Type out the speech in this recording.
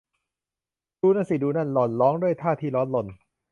ดูนั่นสิ ดูนั่น หล่อนร้องด้วยท่าทีร้อนรน